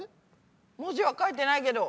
文字は書いてないけど。